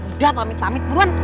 udah pamit pamit buruan